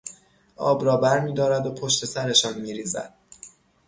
آب را برمیدارد و پشت سرشان میریزد